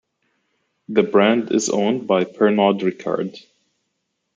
The brand is owned by Pernod Ricard.